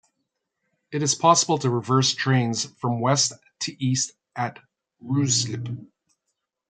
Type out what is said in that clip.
It is possible to reverse trains from west to east at Ruislip.